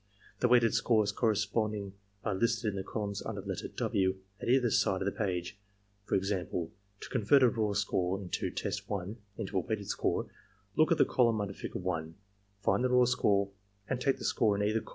The weighted scores corre sponding are listed in the columns imder the letter "W" at either side of the page. For example, to convert a raw score, in test 1, into a weighted score, look at the colunm imder figure 1, find the raw score, and take the score in either column W.